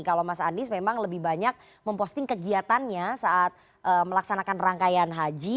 kalau mas anies memang lebih banyak memposting kegiatannya saat melaksanakan rangkaian haji